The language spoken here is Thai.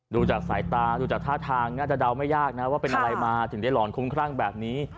ดูจากสายตาดูจากท่าทางน่าจะเดาไม่ยากนะว่าเป็นอะไรมาถึงได้หลอนคุ้มครั่งแบบนี้